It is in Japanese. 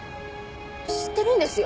知ってるんですよ。